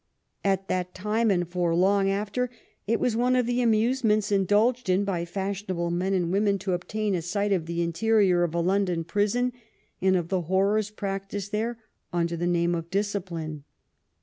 At that time and for long after it was one of the amusements indulged in by fashionable men and women to obtain a sight of the interior of a London prison and of the horrors practised there under the name of discipline.